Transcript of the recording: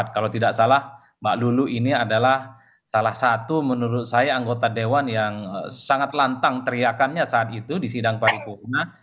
kalau tidak salah mbak lulu ini adalah salah satu menurut saya anggota dewan yang sangat lantang teriakannya saat itu di sidang paripurna